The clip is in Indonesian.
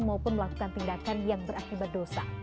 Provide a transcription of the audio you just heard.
maupun melakukan tindakan yang berakibat dosa